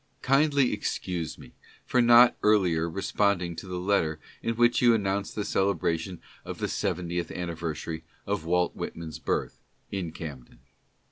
Kindly excuse me for not earlier responding to the letter in which you announce the celebration of the seventieth anniversary of Walt Whitman's birth, in Camden.